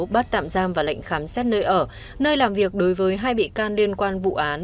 bắt tạm giam và lệnh khám xét nơi ở nơi làm việc đối với hai bị can liên quan vụ án